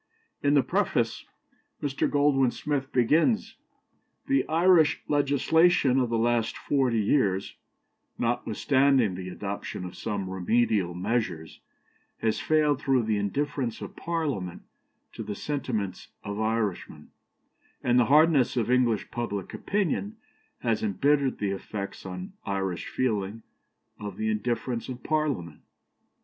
In the preface Mr. Goldwin Smith begins: "The Irish legislation of the last forty years, notwithstanding the adoption of some remedial measures, has failed through the indifference of Parliament to the sentiments of Irishmen; and the harshness of English public opinion has embittered the effects on Irish feeling of the indifference of Parliament.